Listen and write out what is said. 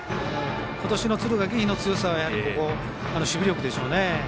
今年の敦賀気比の強さはやはり、守備力でしょうね。